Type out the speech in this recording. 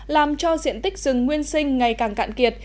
làm cho diện tích rừng nguyên sinh ngày càng cạn kiệt